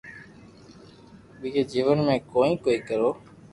ٻيجو جيون ۾ ڪوئي ڪوئي ڪرو